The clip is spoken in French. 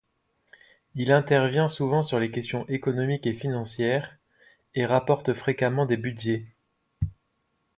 Il intervient souvent sur les questions économiques et financières, et rapporte fréquemment des budgets.